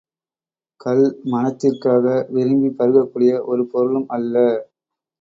கள் மணத்திற்காக விரும்பிப் பருகக் கூடிய ஒரு பொருளும் அல்ல.